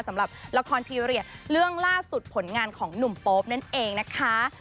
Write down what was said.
สำหรับละครพีเรียสเรื่องล่าสุดผลงานของหนุ่มโป๊ปนั่นเองนะคะ